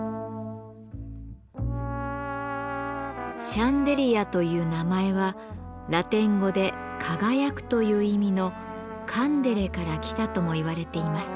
「シャンデリア」という名前はラテン語で「輝く」という意味の「カンデレ」から来たともいわれています。